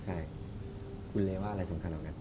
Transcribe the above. ใช่คุณเลยว่าอะไรสำคัญเหรอครับ